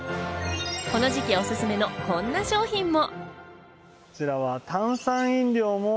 この時期おすすめのこんな商品も。